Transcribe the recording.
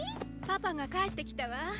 パパが帰ってきたわ。